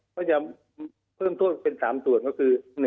ก็จะเพิ่มโทษเป็น๓ส่วนก็คือ